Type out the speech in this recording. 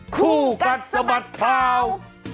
คู่กัดสมัติข้าว